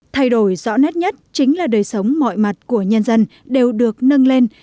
thay đổi rõ nét nhất chính là đời sống mọi mặt của nhân dân đều được nâng lên